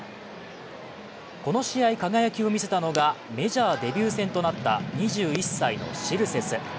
この試合、輝きを見せたのがメジャーデビュー戦となった２１歳のシルセス。